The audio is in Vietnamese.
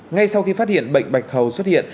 ngay sau khi phát hiện bệnh bạch hầu xuất hiện